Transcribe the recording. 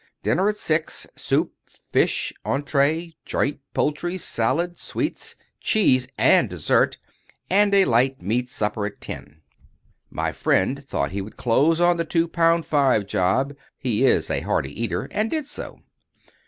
Dinner at six—soup, fish, entree, joint, poultry, salad, sweets, cheese, and dessert. And a light meat supper at ten. My friend thought he would close on the two pound five job (he is a hearty eater), and did so.